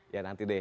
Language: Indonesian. ya nanti deh